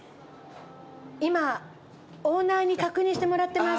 今オーナーに確認してもらってます。